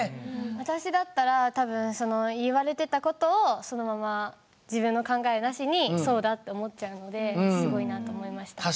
私だったら多分言われてた事をそのまま自分の考えなしにそうだって思っちゃうのですごいなと思いました。